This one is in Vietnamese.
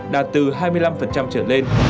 đạt từ hai mươi năm trở lên